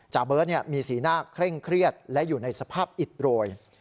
เบิร์ตมีสีหน้าเคร่งเครียดและอยู่ในสภาพอิดโรย